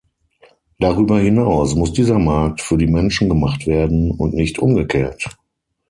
Darüber hinaus muss dieser Markt für die Menschen gemacht werden, und nicht umgekehrt.